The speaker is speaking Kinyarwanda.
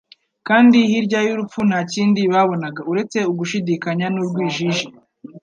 kandi hirya y'urupfu nta kindi babonaga uretse ugushidikanya n'urwijiji.